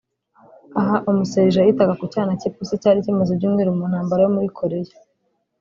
Aha umu serija yitaga ku cyana cy' ipusi cyari kimaze ibyumweru mu ntambara yo muri Koreya